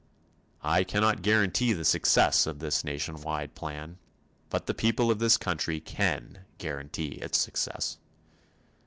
I cannot guarantee the success of this nationwide plan, but the people of this country can guarantee its success.